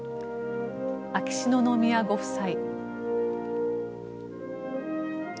秋篠宮ご夫妻。